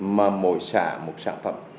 mà mỗi xã một sản phẩm